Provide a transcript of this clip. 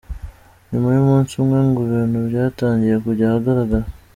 Nyuma y’umunsi umwe ngo ibintu byatangiye kujya ahagaragara.